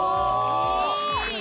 確かに！